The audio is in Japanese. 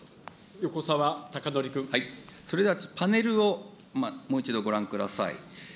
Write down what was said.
それでは、パネルをもう一度ご覧ください。